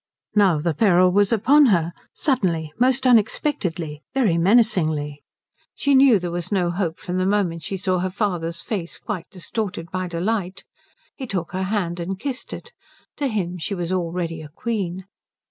Now the peril was upon her, suddenly, most unexpectedly, very menacingly. She knew there was no hope from the moment she saw her father's face quite distorted by delight. He took her hand and kissed it. To him she was already a queen.